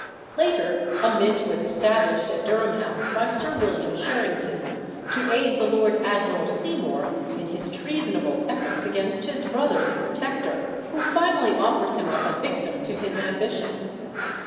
Later a mint was established at Durham House by Sir William Sherrington, to aid the Lord Admiral Seymour in his treasonable efforts against his brother, the Protector, who finally offered him up a victim to his ambition.